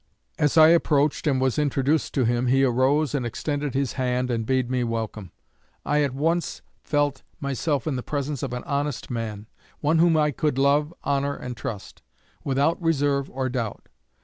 As I approached and was introduced to him, he arose and extended his hand, and bade me welcome. I at once felt myself in the presence of an honest man one whom I could love, honor, and trust, without reserve or doubt.